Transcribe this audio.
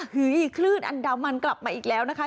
เฮ้ยคลื่นอันดามันกลับมาอีกแล้วนะคะ